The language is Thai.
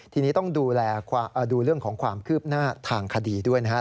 ทีนี้ต้องดูแลดูเรื่องของความคืบหน้าทางคดีด้วยนะครับ